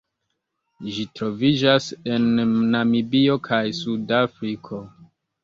Ĝi troviĝas en Namibio kaj Sudafriko.